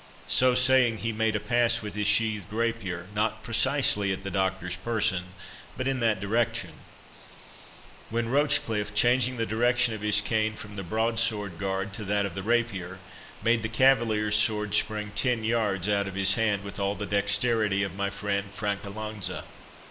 So saying, he made a pass with his sheathed rapier, not precisely at the Doctor's person, but in that direction; when Rochecliffe, changing the direction of his cane from the broadsword guard to that of the rapier, made the cavalier's sword spring ten yards out of his hand, with all the dexterity of my friend Francalanza.